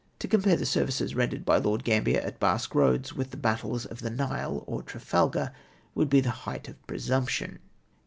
To compare the services rendered by Lord Grambier at Basque Eoads with the battles of the Nile or Trafalgar would be the height of presumption